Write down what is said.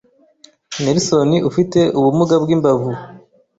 Nelson ufite ubumuga bw’imbavu